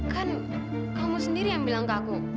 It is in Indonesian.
kan kamu sendiri yang bilang ke aku